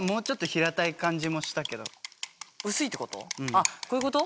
あっこういうこと？